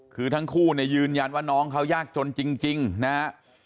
คือทั้งคู่เนี่ยยืนยันว่าน้องเขายากจนจริงนะฮะ